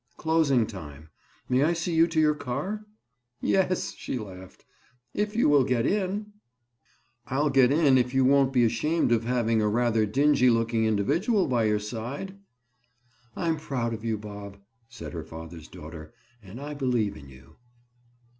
"Closing time. May I see you to your car?" "Yes," she laughed, "if you will get in." "I'll get in if you won't be ashamed of having a rather dingy looking individual by your side?" "I'm proud of you, Bob," said her father's daughter. "And I believe in you."